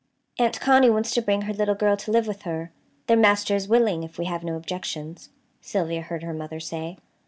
"Aunt Connie wants to bring her little girl to live with her. Their master is willing, if we have no objections," Sylvia heard her mother say.